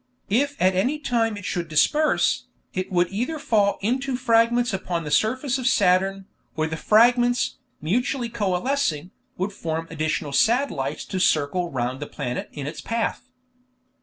If at any time it should disperse, it would either fall into fragments upon the surface of Saturn, or the fragments, mutually coalescing, would form additional satellites to circle round the planet in its path.